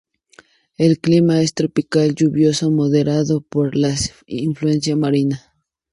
El clima es tropical lluvioso, moderado por la influencia marina.